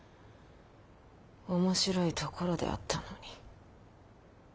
面白いところであったのに。